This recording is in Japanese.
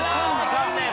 残念。